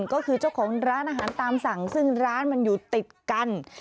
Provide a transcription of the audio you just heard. ก็คือเจ้าของร้านอาหารตามสั่งซึ่งร้านมันอยู่ติดกัน